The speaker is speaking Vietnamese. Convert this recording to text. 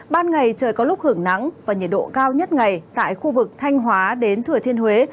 ban ngày trời có lúc hưởng nắng và nhiệt độ cao nhất ngày tại khu vực thanh hóa đến thừa thiên huế